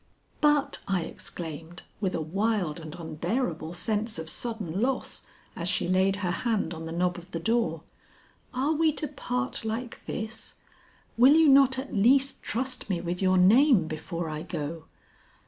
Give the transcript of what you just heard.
"But," I exclaimed with a wild and unbearable sense of sudden loss as she laid her hand on the knob of the door, "are we to part like this? Will you not at least trust me with your name before I go?"